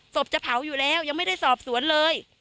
จะเผาอยู่แล้วยังไม่ได้สอบสวนเลย